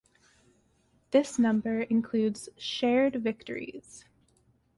This number includes shared victories.